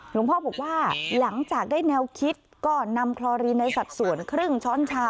หลวงพ่อบอกว่าหลังจากได้แนวคิดก็นำคลอรีนในสัดส่วนครึ่งช้อนชา